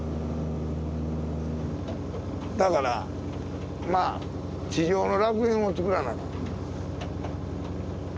だからまあ地上の楽園をつくらなあかん。